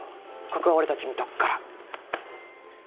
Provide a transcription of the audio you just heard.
ここは俺たち見とくから。